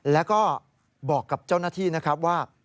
แล้วก็บอกกับเจ้าหน้าที่ว่า